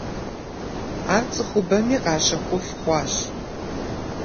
Ар цӏыхубэми къащэхуф хъуащ.